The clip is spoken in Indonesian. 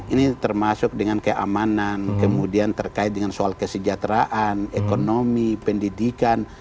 ini termasuk dengan keamanan kemudian terkait dengan soal kesejahteraan ekonomi pendidikan